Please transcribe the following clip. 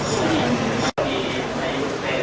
สวัสดีครับ